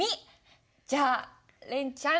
じゃあれんちゃん。